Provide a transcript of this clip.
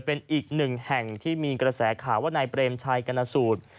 เป็นอีกหนึ่งแห่งที่มีกระแสข่าวว่านายเปรมชัยกรณสูตร